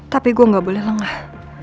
tapi gue gak boleh lengah